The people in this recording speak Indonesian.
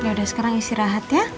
yaudah sekarang istirahat ya